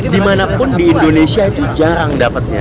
dimanapun di indonesia itu jarang dapatnya